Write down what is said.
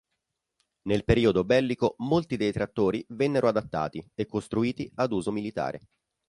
Nel periodo bellico molti dei trattori vennero adattati e costruiti ad uso militare.